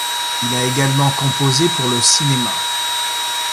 Il a également composé pour le cinéma.